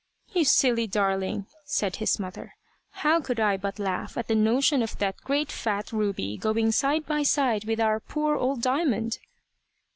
"You silly darling!" said his mother; "how could I but laugh at the notion of that great fat Ruby going side by side with our poor old Diamond?"